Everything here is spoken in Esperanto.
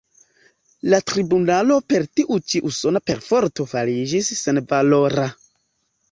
La tribunalo per tiu ĉi usona perforto fariĝis senvalora.